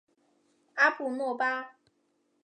阿布诺巴。